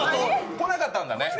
来なかったんだね。